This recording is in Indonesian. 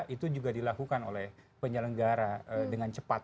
itu juga dilakukan oleh penyelenggara dengan cepat